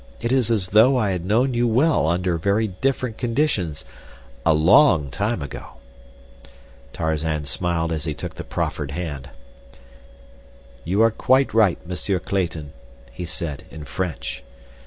It is as though I had known you well under very different conditions a long time ago." Tarzan smiled as he took the proffered hand. "You are quite right, Monsieur Clayton," he said, in French.